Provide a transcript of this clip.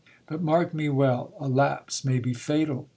But mark me well, a lapse may be fatal.